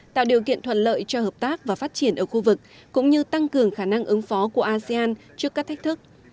tạo điều kiện thuận lợi cho hợp tác và phát triển ở khu vực cũng như tăng cường khả năng ứng phó của asean trước các thách thức